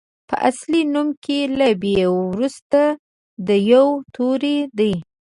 په اصلي نوم کې له بي وروسته د يوو توری دی.